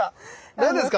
何ですか？